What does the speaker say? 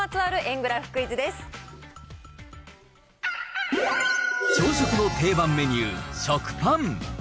グラフで朝食の定番メニュー、食パン。